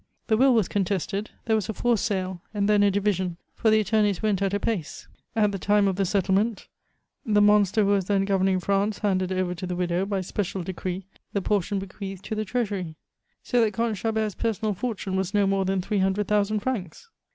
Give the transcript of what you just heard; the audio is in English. The will was contested, there was a forced sale, and then a division, for the attorneys went at a pace. At the time of the settlement the monster who was then governing France handed over to the widow, by special decree, the portion bequeathed to the treasury." "So that Comte Chabert's personal fortune was no more than three hundred thousand francs?"